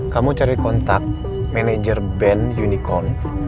kamu cari kontak manajer band unicorn